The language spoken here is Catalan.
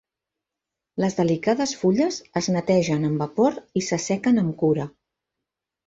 Les delicades fulles es netegen amb vapor i s'assequen amb cura.